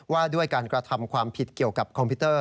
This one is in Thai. ว่าด้วยการกระทำความผิดเกี่ยวกับคอมพิวเตอร์